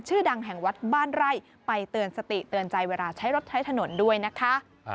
ชื่อดังแห่งวัดบ้านไร่ไปเตือนสติเตือนใจเวลาใช้รถใช้ถนนด้วยนะคะ